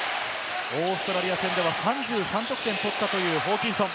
オーストラリア戦では３３得点取ったというホーキンソン。